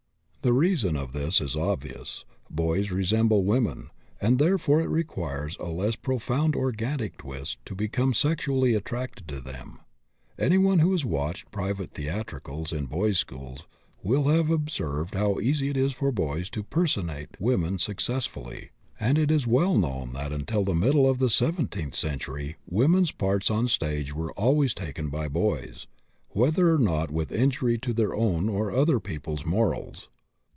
The reason of this is obvious: boys resemble women, and therefore it requires a less profound organic twist to become sexually attracted to them. Anyone who has watched private theatricals in boys' schools will have observed how easy it is for boys to personate women successfully, and it is well known that until the middle of the seventeenth century women's parts on the stage were always taken by boys, whether or not with injury to their own or other people's morals.